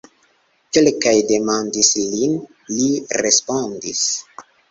Kelkaj demandis lin, li respondis.